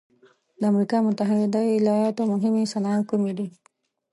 د امریکا متحد ایلاتو مهمې صنایع کومې دي؟